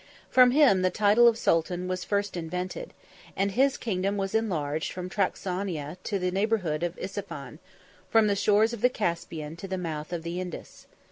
From him the title of Sultan 4 was first invented; and his kingdom was enlarged from Transoxiana to the neighborhood of Ispahan, from the shores of the Caspian to the mouth of the Indus.